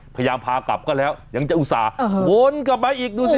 พยายามพากลับก็แล้วยังจะอุตส่าห์วนกลับมาอีกดูสิ